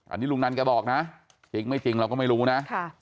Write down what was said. อันนี้ลุงนันแกบอกนะจริงไม่จริงเราก็ไม่รู้นะ